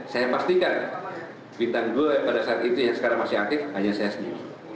saya pastikan bintang dua yang pada saat itu masih aktif hanya saya sendiri